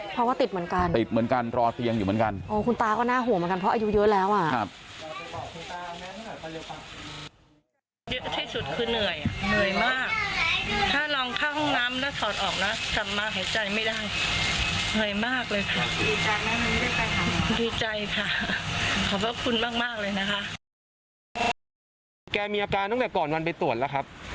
เพราะว่าติดเหมือนกันติดเหมือนกันรอเตียงอยู่เหมือนกัน